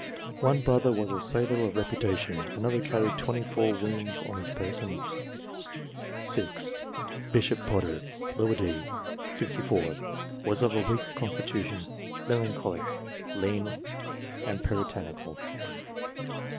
One brother was a sailor of reputation ; another carried twenty four wounds on his person. 6. Bishop Potter, d. set. 64, was of a weak constitution, melancholic, lean, and puritanical.